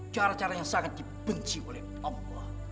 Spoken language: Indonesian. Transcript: cara cara yang sangat dibenci oleh allah